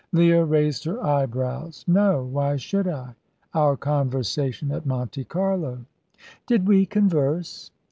Leah raised her eyebrows. "No; why should I?" "Our conversation at Monte Carlo " "Did we converse?